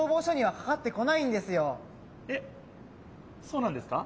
えっそうなんですか？